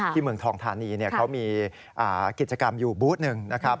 เมืองทองธานีเขามีกิจกรรมอยู่บูธหนึ่งนะครับ